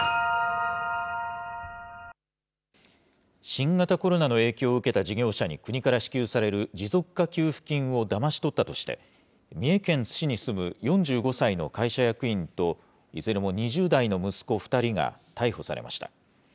新型コロナの影響を受けた事業者に国から支給される持続化給付金をだまし取ったとして、三重県津市に住む４５歳の会社役員といずれも２０代の息子２人が、逮捕されました。